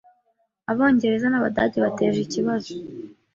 Abongereza n'Abadage bateje ikibazo